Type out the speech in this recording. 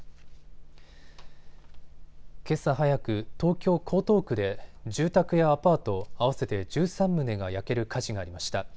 けさ早く、東京江東区で住宅やアパート合わせて１３棟が焼ける火事がありました。